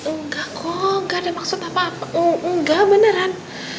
enggak kok gak ada maksud apa apa oh enggak beneran